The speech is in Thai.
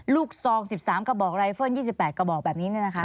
ลูกซอง๑๓กระบอกไลฟล์๒๘กระบอกแบบนี้